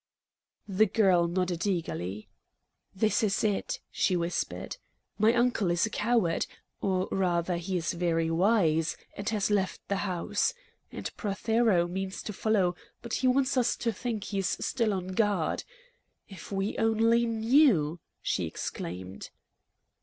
The girl nodded eagerly. "This is it," she whispered. "My uncle is a coward or rather he is very wise, and has left the house. And Prothero means to follow, but he wants us to think he's still on guard. If we only KNEW!" she exclaimed.